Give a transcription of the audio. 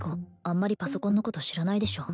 あんまりパソコンのこと知らないでしょ